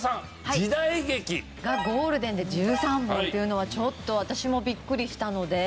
時代劇。がゴールデンで１３本っていうのはちょっと私もビックリしたので。